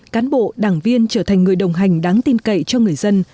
cán bộ đảng viên trở thành người đồng hành đáng tin cậy cho người dân